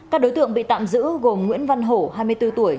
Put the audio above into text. các đối tượng bị tạm giữ gồm nguyễn văn hổ hai mươi bốn tuổi